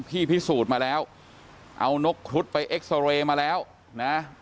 พิสูจน์มาแล้วเอานกครุฑไปเอ็กซอเรย์มาแล้วนะ